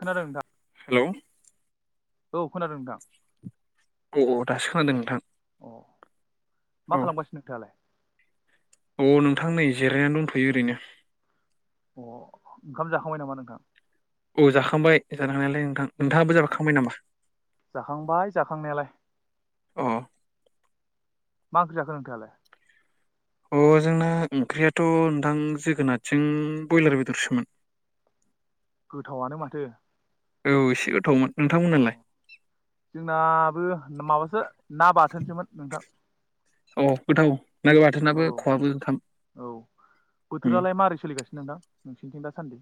खोनादों नोंथां, हेलौ औ खोनादों नोंथां। अ दासो खोनादों नोंथां। मा औ खालामगासिनो नोंथाङालाय? औ ‌नोंथां नै जिरायनानै दंथ'यो ओरैनो। अ ओंखाम जाखांबाय नामा नोंथां? औ जाखांबाय जानो हालियालै नोंथां। नोंथाङाबो जाबोखांबाय नामा? जाखांबाय जाखांनायालाय अ'। मा ओंख्रि जाखो नोंथाङालाय? अ जोंना ओंख्रियाथ' नोंथां जोगोनारजों ब्रयलार बेदरसोमोन। गोथावआनो माथो। औ एसे गोथावमोन। अ नोंथांमोनालाय जोंनाबो माबासो ना बाथोनसोमोन नोंथां। औ गोथाव ना औ बाथोनाबो खहाबो नोंथां। औ बोथोरालाय मारै सोलिगासिनो नोंथां नोंसोरनिथिं दासान्दि?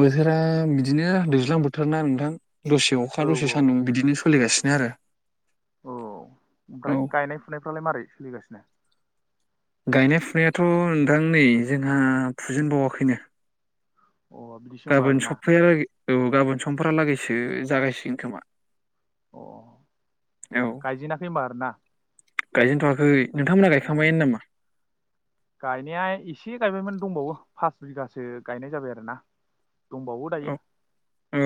बोथोरा बिदिनो दैज्लां बोथोर ना नोंथां दसे औ अखा दसे औ सान्दुं बिदिनो सोलिगासि नो आरो। औ, औ ओमफ्राय गायनाय फुनायफ्रालाय मारै सोलिगासिनो? गायनाय फुनायाथ' नोंथां नै जोंहा फुजेनबावाखैनो। अ बिदिसो होमबा गाबोन आरोना सफैला औ गाबोन समफलागैसो जागायसिगोन खोमा। अ औ गायजेनाखै होनबा आरो ना? गायजेनथ'वाखै, नोंथांमोनहा गायखांबायनो नामा? गायनाया एसे गायबायमोन दंबावो फास बिगासो गायनाय जाबाय आरोना दंबावो दायो, औ अ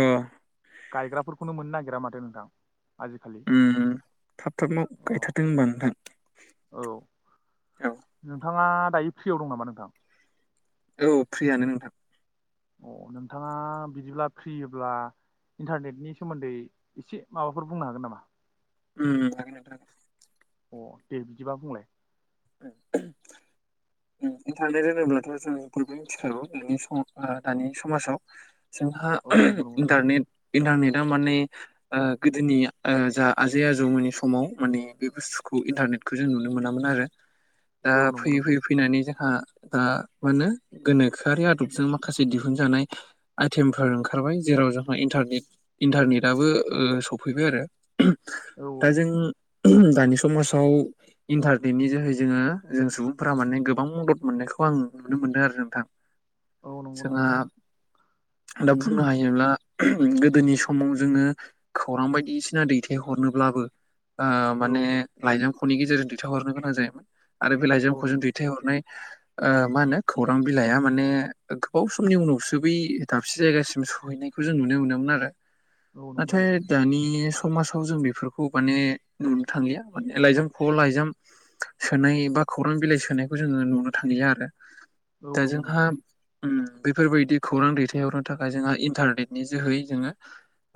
गायग्राफोरखौनो मोननो नागिरा माथो नोंथां। आजिखालि उम, थाब थाब माव अ गायथारदों होनबा नोंथां? औ, औ नोंथाङा दायो फ्रियाव दं नामा नोंथां? औ फ्रियानो नोंथां। अ नोंथाङा बिदिब्ला फ्रियोब्ला इन्टारनेटनि सोमोन्दै एसे माबाफोर बुंनो हागोन नामा? उम उम हागोन नोंथां। अ दे बिदिबा बुंलाय। [unintelligible] इन्टारनेट होनोब्लाथ' जों बयबो मिथिखागौ नोंनि सम दानि समाजाव जोंहा औ नंगौ नंगौ नोंथां इन्टारनेट इन्टारनेटआ माने ओ गोदोनि ओ जा आजै आजौमोननि समाव माने बे बुस्थुखौ बे इन्टारनेटखौ जों नुनो मोनामोन आरो। औ नंगौ नोंथा। माने जोहा दा बेनो गोनोखोयारि आदबजों माखासे दिहुनजानाय आइथेम फोर ओंखारबाय जेराव जोंहा इन्टारनेट इन्टारनेटआबो ओ सफैबाय आरो। औ दा जों दानि समाजाव इन्टारनेटनि जोहै जोङो जों सुबुं फोरा माने गोबां मदद मोननायखौ आं नुनो मोनदों आरो नोंथां। औ नंगौ नंगौ जोंहा नोंथां दा बुंनो हायोब्ला गोदोनि समाव जोङो खौरां बायदिसिना दैथायहरनोब्लाबो ओ औ माने लाइजामखनि गेजेरजों दैथाय हरनो गोनां जायोमोन आरो औ औ खौ जों नंगौ नोंथां दैथायहरनाय ओ मा होनो खौरां बिलाइया माने गोबाव समनि उनावसो बै दाबसे जायगासिम सहैनाय खौ जों नुनो मोनोमोन आरो। औ नंगौ नाथाय नोंथां दानि समाजाव जों बेफोरखौ माने नुनो थांलिया माने लाइजाम खयाव लाइजाम सोनाय बा खौरां बिलाइ सोनायखौ जोङो नुनो थांलिया आरो औ दा नंगौ जोंहा नोंथां ओम बेफोरबायदि खौरां दैथायहरनो थाखाय जोंहा इन्टारनेटनि जोहै जोङो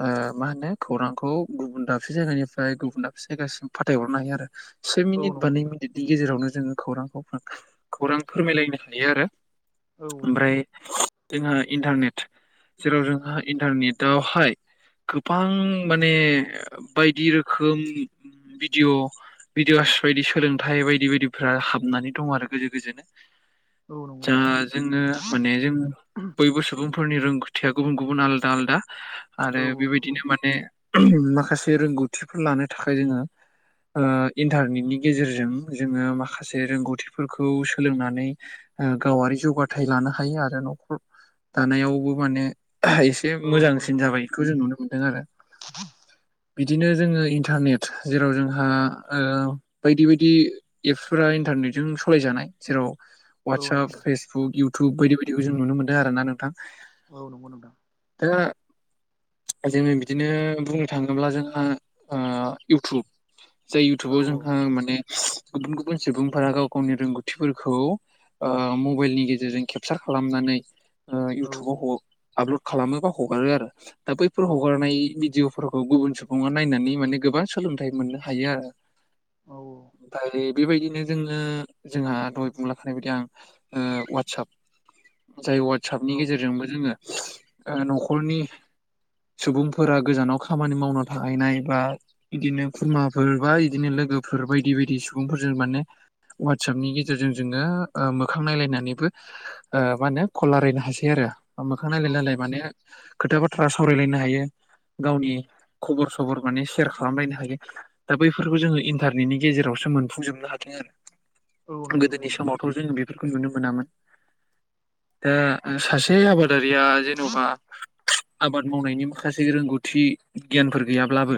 ओ मा हो नो खौरांखौ गुबुन दाबसे जायगानिफ्राय गुबुन दाबसे जायगासिम फाथायहरनो हायो आरो। से औ मिनिट बा नंगौ नै नोंथां मिनिटनि गेजेरावनो जोङो खौरांफोर खौरां फोरमायलायनो हायो आरो। औ ओमफ्राय जोंहा इन्टारनेट जेराव जोंहा इन्टारनेटआवहाय गोबां माने बायदि रोखोम भिडअ भिदिअ स बायदि सोलोंथाइ बायदि बायदिफोरा्रा हाबनानै दं आरो गोजौ गोजोनो- औ नंगौ जा नोंथां जोङो माने जों बयबो सुबुं फोरनि रोंगौथिया गुबुन गुबुन आलदा आलदा औ आरो नंगौ बेबायदिनो माने माखासे रोंगौथिफोर लानो थाखाय जोङो। ओ इन्टारनेटनि गेजेरजों जोङो माखासे माखासे रोंगौथिफोरखौ सोलोंनानै गावारि जौगाथाय लानो हायो आरो न'खर दानायावबो माने एसे औ नंगौ नंगौ मोजांसिन नोंथां जाबाय बेखौ जों नुनो मोनदों आरो [inaudible] बिदिनो जोङो इन्टारनेट जेराव जोंहा बायदि बायदि एफ फोर इन्टारनेटजों सालायजानाय जेराव औ नंगौ ववाट्सप नंगौ फेसबुक युब बायदि बायदिखौ जों नुनो मोनदों आरो ना नोंथां। औ नंगौ नोंथां। [inaudible] जोङो बिदिनो बुंनो थाङोब्ला जोंहा ओ इउटुब, जाय औ इयउटुबाव जोंहा माने गुबुन गुबुन सुबुंफोरा गाव गावनि रोंगौथिफोरखौ ओ मबाइलनि गेजेरजों केपसार खालामनानै ओ औ इउटुबाव आपलड खालामो बा हगारो आरो दा बैफोर औ हगारनाय भिडिअ फोरफोरखौ गुबुन सुबङा नायनानै माने गोबां सोलोंथाइ मोननो हायो आरो औ ओमफ्राय। बेबायदिनो जोङो जोंहा दहाय बुंलाखानाय बायदि आं वाटसप जाय वाटसपनि औ औ गेजेरजोंबो जोङो न'खरनि सुबुंफोरा गोजानाव खामानि मावना थाहैनाय बा बिदिनो खुरमाफोर बा बिदिनो लोगोफोर बायदि बायदि सुबुंफोरजों माने वाटसपनि गेजेरजों जोङो ओ मोखां नायलायनानैबो ओ मा होनो कल लायरायनो हासै आरो। मोखां औ नायलायलाय नंगौ माने नोंथां खोथा बाथ्रा सावरायलायनो हायो‌। गावनि खबर सबर माने सेयार खालामलायनो हायो दा बैफोरखौ जोङो इन्टारनेटनि गेजेरावसो मोनो। जोबनो हादों औ आरो नंगौ नंगौ गोदोनि नोंथां समावथ' जों। बेफोरखौ नुनो मोनामोन दा सासे आबादारिया जेन'बा। आबाद मावनायनि माखासे रोंगौथि गियानफोर गैयाब्लाबो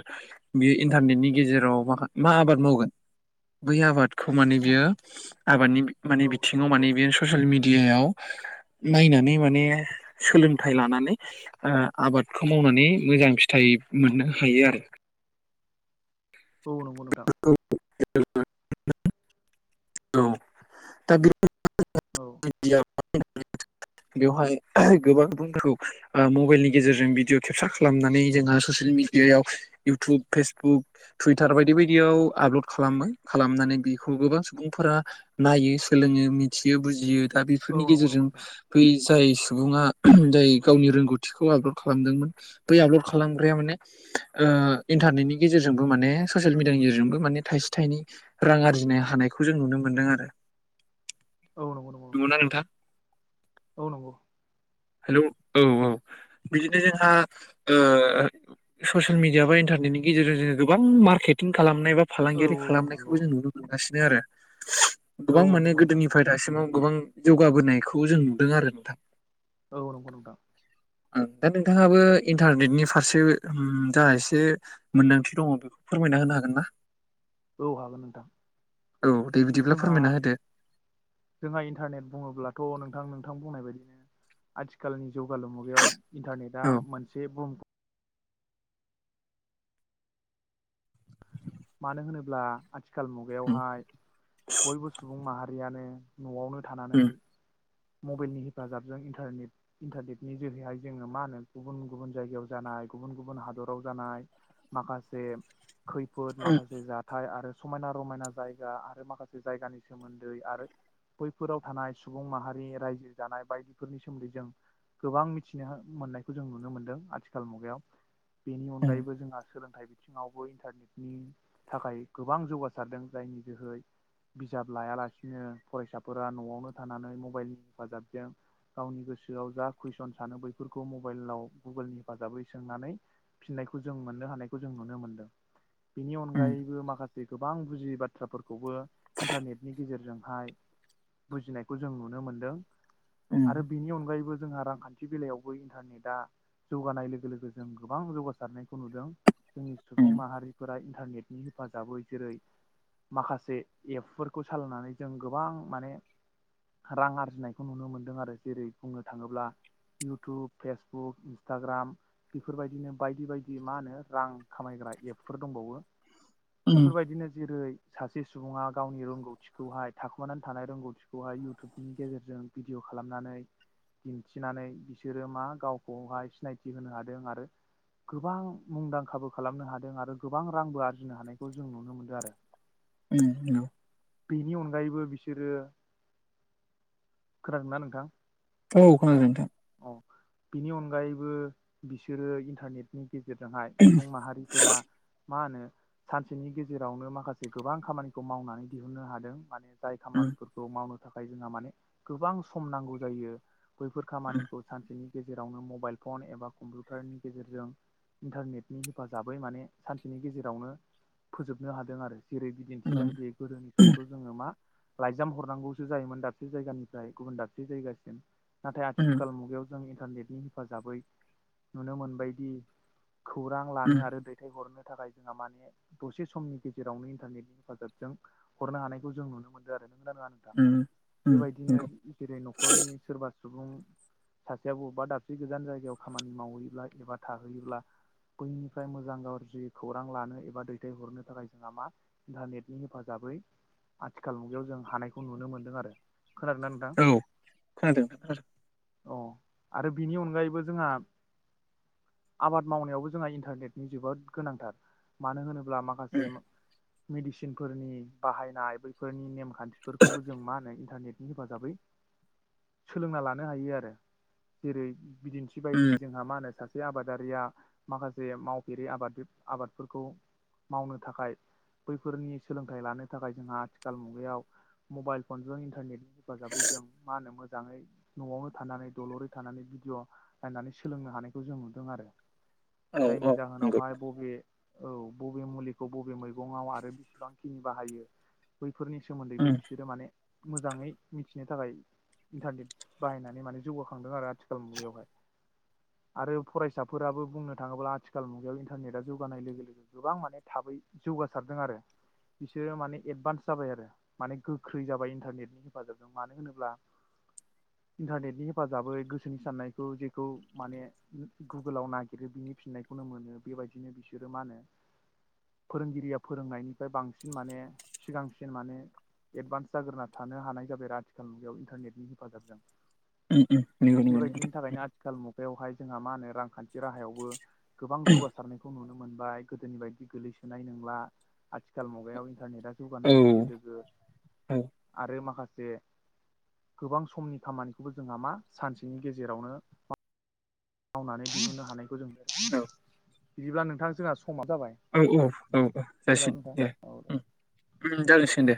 बेयो इन्टारनेटनि गेजेराव मा आबाद मावगोन? बै आबादखौ माने बियो आबादनि माने औ नंगौ बिथिङाव नंगौ माने बियो ससियेल मिडिया मिडियायाव। नायनानै माने सोलोंथाइ लानानै आबादखौ मावनानै मोजां फिथाइ मोननो हायो आरो। औ नंगौ नोंथां [unintelligible] औ दा बे औ [unintelligible] बेवहाय गोबां सुबुंफोरखौ ओ मबाइलनि गेजेरजों भिडिअ' केपसार खालामनानै जोङो स ससियेल मिडियायाव इउटुब फेसबुक टुइटार बायदि बायदियाव आपलड खालामो खालामनानै बिखौबो सुबुंफोरा नायो सोलोङो मिथियो बुजियो दा औ बेफोरनि नंगौ नंगौ गेजेरजों नोंथां बै जाय सुबुङा जाय गावनि रोंगौथिखौ आपलड खालामदोंमोन बै आपलड खालामग्राया माने ओ इन्टारनेटनि गेजेरजोंबो माने ससियेल मिडियानि गेजेरजोंबो माने थाइसे थाइनै रां आरजिनो हानाय खौ जों नुनो मोनदों आरो औ नंगौ नंगौ नंगौना नोंथां। औ नंगौ। हेल' औ औ बिदिनो जोंहा ओ ससियेल मिडिया बा इन्टारनेटनि गेजेरजों जो गोबां मार्केटिं खालामो। नाय बा औ फालांगियारि नंगौ खालामनायखौबो जों नुनो मोनगासिनो आरो, औ गोबां माने नंगौ नोंथां गोदोनिफ्राय दासिमाव गोबां जौगाबोनायखौ जों नुदों आरो नोंथां। औ नंगौ नोंथां। ओ दा नोंथाङाबो इन्टारनेटनि फारसे ओम जा एसे मोन्दांथि दङ बेखौ फोरमायना होनो हागोन ना? औ हागोन नोंथां। औ दे बिदिब्ला जोंहा फोरमायना होदो जोंहा इन्टारनेट बुङोब्लाथ' नोंथां थां बुंनाय बायदिनो आथिखालनि जौगालु मुगायाव इन्टारनेटआ औ मोनसे बुहुम मानो होनोब्ला आथिखाल उम मुगायावहाय बयबो सुबुं माहा रियानो न'आवनो थानानै उम मबेलनि हेफाजाबजों इन्टारनेट- इन्टारनेटनि जोरैहाय जोङो मा होनो गुबुन गुबुन जायगायाव जानानै गुब गुब हादराव जानाय माखासे खैफोद माखासे जाथाय आरो समायना रमायना जायगा आरो माखासे जायगानि सोमोन्दै आरो बैफोराव थानाय सुबुं माहा रि रायजो जानाय बायदिफोरनि सोमोन्दै जों गोबां मिथिनो मोननायखौ जों नुनो मोनदों आथिखाल मु गायाव बेनि उम अनगायैबो जोंहा सोलोंथाइ बिथिङावबो इन्टारनेटनि थाखाय गोबां जौगासारदों जायनि जोहै बिजाब लायालासिनो फरायसाफोरा न'आवनो थानानै म बाइलनि हेफाजाबजों गावनि गोसोआव जा कुइसन सानो बैफोरखौ मबाइलाव गुगोलनि हेफाजाब बै सोंनानै फिननायखौ जों मोननो हानायखौ जों नुनो मोनदों। बेनि उम अनगायैबो माखासे गोबां बुजियै बाथ्राफोरखौबो इन्टारनेटनि गेजेरजोंहाय बुजिनायखौ जों नुनो मोनदों। उम आरो बेनि अनगायैबो जोंहा रांखान्थि बेलायावबो इन्टारनेटआ जौगानाय लोगो लोगो जों गोबां जौगासारनायखौ नुदों। जोंनि सुबुं उम माहारिफोरा इन्टारनेटनि हेफाजाबै जेरै माखासे एपफोरखौ सालानानै जों गोबां माने रां आरजिनायखौ नुनो मोनदों आरो जेरै बुंनो थाङोब्ला इउटुब फेसबुक इन्सटाग्राम बेफोरबायदिनो बायदि बायदि मा होनो रां खामायग्रा एपफोर दंबावो उम बेफोरबायदिनो जेरै सासे सुबुङा गावनि रोंगौथिखौहाय थाखोमानानै थानाय रोंगौथिखौहाय यु उटुबनि गेजेरजों भिडिअ खालामनानै दिन्थिनानै बिसोरो मा गावखौहाय सिनायथि होनो हादों आरो गोबां मुंदांखाबो खालामनो हादों आरो गोबां रांबो आरजिनो हानायखौ जों नुनो मोनदों आरो। उ औ। बेनि अनगायैबो बिसोरो खोनादोंना नोंथां? औ खोनादों नोंथां। अ बिनि अनगायैबो बिसोरो इन्टारनेटनि गेजेरजोंहाय सुबुं माहारिफोरा मा होनो सानसेनि गेजेरावनो माखासे गोबां खामानिखौ मावनानै दिहुननो हादों माने जाय उम खामानिफोरखौ मावनो थाखाय जोंहा माने गोबां सम नांगौ जायो बैफोर खामानि उम बिनि गेजेरावनो मबाइल फन एबा कम्पिउटारनि गेजेरजों इन्टारनेटनि हेफाजाबै माने सानसेनि गेजेरावनो फोजोबनो हादों आरो। जेरै बिदिन्थि बायदि गोदोनि समावथ' जोङो मा लाइजाम हरनांगौसो जायोमोन दाबसे जायगानिफ्राय गुबुन दाबसे जायगासिम नाथाय आथि उम खाल मुगायाव जों इन्टारनेटनि हेफाजाबै नुनो मोनबायदि खौरां लानो उम आरो दैथायहरनो थाखाय जोंहा माने दसे समनि गेजेरावनो इन्टारनेटनि हेफाजाबजों हरनो हानायखौ जों नुनो मोनदों आरो। [unintelligible] नङा नोंथां उम उम बेबायदिनो नंगौ जेरै न'खरनि सोरबा सुबुं सासेया बबेबा दाबसे गोजान जायगायाव खामानि मावहैयोब्ला एबा थाहैयोब्ला बैनिफ्राय मोजां गाज्रि खौरां लानो एबा दैथायहरनो थाखाय जोंहा मा इन्टारनेटनि हेफाजाब बै आथिखाल मुगायाव जों हानायखौ नुनो मोनदों आरो। खोनादोंना नोंथां औ खोनादों। अ आरो बिनि अनगायैबो जोंहा आबाद मावनायावबो जोंहा इन्टारनेटनि जोबोद गोनांथार मानो होनोब ब्ला उम माखासे मेडिसिन फोरनि बाहायनाय बैफोरनि नेम खान्थ खान्थिफोरखौबो जों मा होनो इन्टारनेटनि हेफाजाबै सोलोंना ला लानो हायो आरो जेरै बिदिन्थि बायदि उम जोंहा मा होनो सासे आबादारिया माखासे मावफेरि आबाद आबादफोरखौ मावनो थाखाय बैफोरनि सोलोंथाइ लानो थाखाय जोंहा आथिखाल मुगायाव मबाइल फनजों इन्टारनेट हेफाजाबै जों मा होनो मोजाङै न'आवनो थानानै दलरै थानानै भिडिअ' नायनानै सोलोंनो हानायखौ जों नुदों आरो। औ जायनि औ नंगौ जाहोनावहाय बबे औ बबे मुलिखौ बबे मैगंआव आरो बेसेबांखिनि बाहायो बै फोरनि सोमोन्दैबो उम बिसोरो माने मोजाङै मिथिनो थाखाय इन्टारनेट बाहायनानै माने जौगाखांदों आरो आथिखाल मुगायावहाय। आरो फरायसाफोराबो बुंनो थाङोब्ला आथिखाल मुगायाव इन्टारनेटा जौगानाय लोगो लोगो गोबां माने थाब बै जौगासारदों आरो। बिसोरो माने एदभान्स जाबाय आरो माने गोख्रै जाबाय इन्टारनेटनि हेफाजाबजों मानो होनोब्ला [inaudible] इन्टारनेटनि हेफाजाबै गोसोनि साननायखौ जेखौ माने गुगोलाव नागिरो बिनि फि फिनायखौनो मोनो बेबायदिनो बिसोरो मा होनो फोरोंगिरिया फोरोंनायनिफ्राय बांसिन माने सिगांसिन माने एडभान्स जाग्रोना थानो हानाय जाबाय आरो आथिखाल मुगायाव इन्टारनेटनि हेफाजाबजों। [unintelligible] बेवहाय जोंहा मा होनो रांखान्थि राहायावबो गोबां जौगासारनायखौ नुनो मोनो। मोनबाय गोदोनि बायदि गोलै सोनाय नंला आथिखाल मुगायाव इन्टारनेटआ औ जौगानाय लोगो लोगो औ आरो माखासे गोबां समनि खामानिखौबो जोंहा मा सानसेनि गेजेरावनो मावनानै दिहुननो हानायखौ जों नुदों बिदिब्ला नोंथां जोंहा समा जाबाय औ औ औ औ खोनादों जासिगोन नोंथां दे औ उम जासिगोन दे।